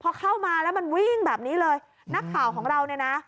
พอเข้ามาแล้วมันวิ่งแบบนี้เลยนักข่าวของเราเนี่ยนะ